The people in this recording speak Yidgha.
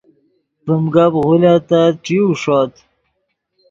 ڤیم گپ غولیتت ݯیو ݰوت